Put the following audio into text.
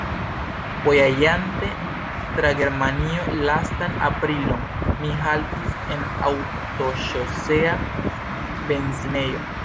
Vojaĝante tra Germanio lastan aprilon, mi haltis en aŭtoŝosea benzinejo.